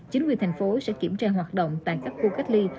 chính quyền thành phố sẽ kiểm tra hoạt động tại các khu cách ly